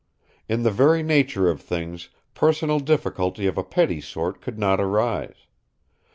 In the very nature of things, personal difficulty of a petty sort could not arise.